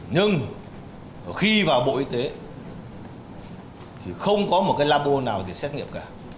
nhưng khi vào bộ y tế thì không có một cái labo nào để xét nghiệm cả